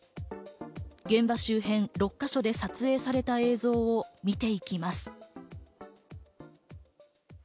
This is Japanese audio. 現場周辺６か所で撮影された映像を見ていきます。